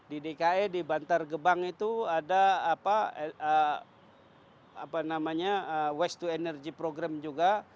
di dke di bantar gebang itu ada apa namanya waste to energy program juga